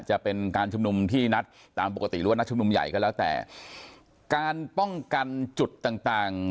จะเป็นการชุมนุมที่นัดตามปกติหรือว่านัดชุมนุมใหญ่ก็แล้วแต่การป้องกันจุดต่างต่าง